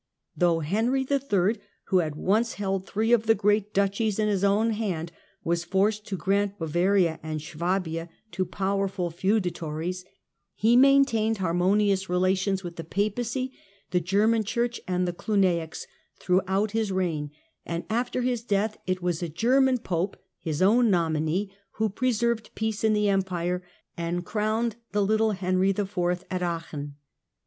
Though Henry III., who had once held three of the great duchies in his own hand, was forced to grant Bavaria and Swabia to powerful feuda TRANSFERENCE FROM SAXONS TO SALTANS 41 tories, he maintained harmonious relations with the Papacy, the German Church and the Cluniacs throughout his reign, and after his death it was a German Pope, his own nominee, who preserved peace in the Empire, and crowned the little Henry IV. at Aachen.